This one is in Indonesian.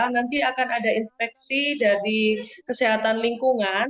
nanti akan ada inspeksi dari kesehatan lingkungan